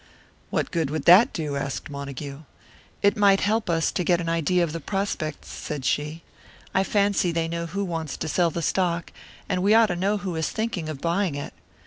"What good would that do?" asked Montague. "It might help us to get an idea of the prospects," said she. "I fancy they know who wants to sell the stock, and we ought to know who is thinking of buying it.